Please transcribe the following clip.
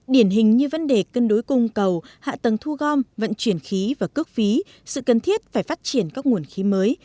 điển hình như vấn đề cân đối cung cầu hạ tầng thu gom vận chuyển khí và cước phí sự cần thiết phải phát triển các nguồn khí mới